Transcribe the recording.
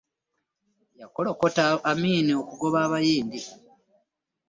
Yakolokota Amini okugoba abayindi.